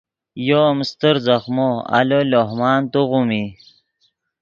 یو ام استر ځخمو آلو لوہ مان توغیم ای